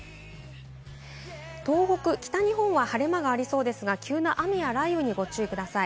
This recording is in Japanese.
東北、北日本は晴れ間がありそうですが、急な雨や雷雨にご注意ください。